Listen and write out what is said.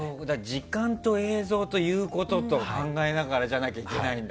時間と映像と言うことと考えながらじゃないといけないんだ。